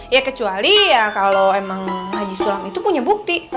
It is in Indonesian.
ya kecuali ya kalau emang haji sulam itu punya bukti